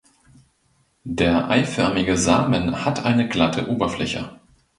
Der eiförmige Samen hat eine glatte Oberfläche.